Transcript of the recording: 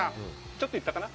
ちょっと言ったかな？